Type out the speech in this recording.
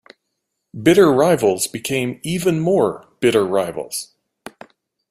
Bitter rivals became even more bitter rivals.